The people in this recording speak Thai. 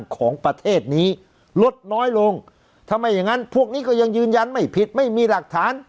ของประเทศนี้ลดน้อยลงทำไมอย่างนั้นพวกนี้ก็ยังยืนยันไม่ผิดไม่มีหลักฐาน